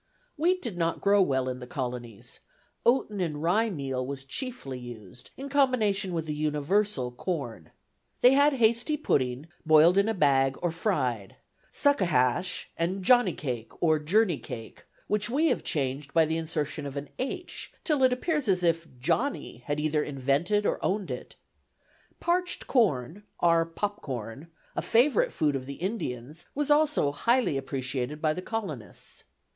Wheat did not grow well in the Colonies; oaten and rye meal was chiefly used in combination with the universal corn. They had hasty pudding, boiled in a bag, or fried: "sukquttahhash," and jonne cake, or journey cake, which we have changed by the insertion of an h till it appears as if "Johnny" had either invented or owned it. Parched corn (our pop corn), a favorite food of the Indians, was also highly appreciated by the Colonists.